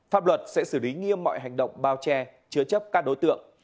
pháp luật sẽ xử lý nghiêm mọi hành động bao che chứa chấp các đối tượng